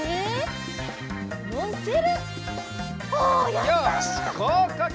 よしごうかく！